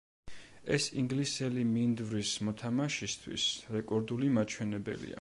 ეს ინგლისელი მინდვრის მოთამაშისთვის რეკორდული მაჩვენებელია.